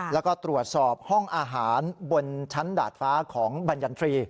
แล้วก็ตรวจสอบห้องอาหารบนชั้นดาดฟ้าของบรรยันทรี